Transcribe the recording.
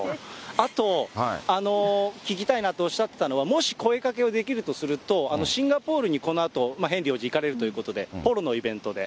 あと、聞きたいなとおっしゃってたのは、もし声かけをできるとすると、シンガポールにこのあとヘンリー王子、行かれるということで、ポロのイベントで。